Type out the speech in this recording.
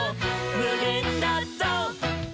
「むげんだぞう！」